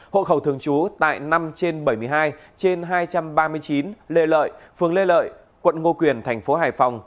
hậu khẩu thường trú tại năm trên bảy mươi hai trên hai trăm ba mươi chín lê lợi phường lê lợi quận ngô quyền tp hải phòng